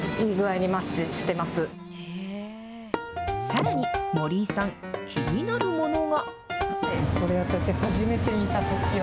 さらに、森井さん、気になるものが。